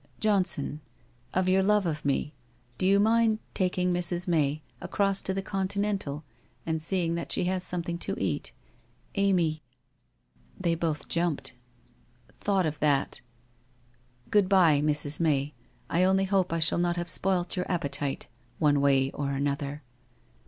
Johnson, of your love for me, do you mind taking Mrs. May across to the Continental, and seeing that she has something to eat ? Amy '— they both jumped !— 'thought of that. 'Good bye, Mrs. May, I only hope I shall not have spoilt your appetite, one way and another?